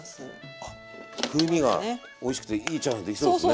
あっ風味がおいしくていいチャーハンができそうですね。